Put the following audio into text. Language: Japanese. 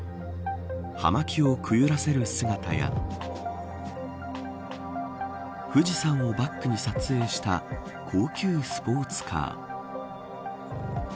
葉巻をくゆらせる姿や富士山をバックに撮影した高級スポーツカー。